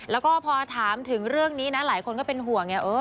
แล้วก็พอถามถึงเรื่องนี้นะหลายคนก็เป็นห่วงไง